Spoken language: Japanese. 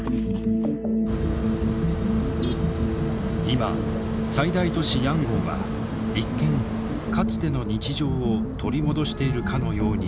今最大都市ヤンゴンは一見かつての日常を取り戻しているかのように見える。